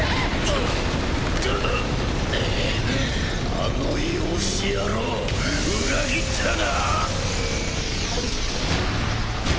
あの養子野郎裏切ったな！